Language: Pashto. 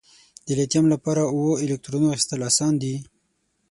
د لیتیم لپاره اووه الکترونو اخیستل آسان دي؟